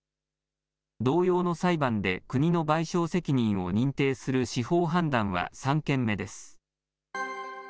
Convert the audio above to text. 同様の裁判で、国の賠償責任を認定する司法判断は３件目です。